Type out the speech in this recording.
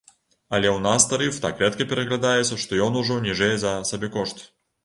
Але ў нас тарыф так рэдка пераглядаецца, што ён ужо ніжэй за сабекошт.